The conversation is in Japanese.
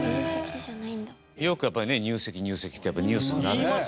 よくやっぱりね入籍入籍ってニュースになるので。